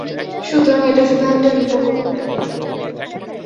সুতরাং, এটা শুধু একটা রূপক অভিনয়!